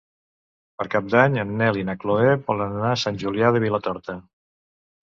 Per Cap d'Any en Nel i na Chloé volen anar a Sant Julià de Vilatorta.